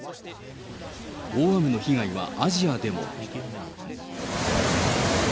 大雨の被害はアジアでも。